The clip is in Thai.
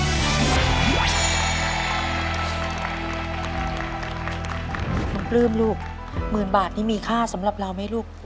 คุณปลื้มลูกหมื่นบาทนี่มีค่าสำหรับเราไหมลูก